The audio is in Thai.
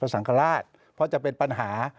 เพราะสังขราชเพราะจะเป็นปัญหา